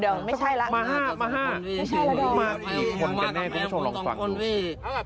แล้วก็เพิ่มขึ้นด้วยก็มาสี่มาสี่เดี๋ยวเดี๋ยวไม่ใช่ล่ะ